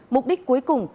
mục đích cuối cùng